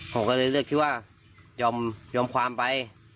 ผมก็เรื่อยคิดว่ายอมความไป